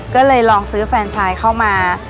ก็เลยลองซื้อแฟนชายเข้ามา